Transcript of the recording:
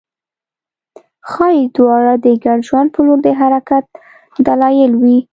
ښايي دواړه د ګډ ژوند په لور د حرکت دلایل وي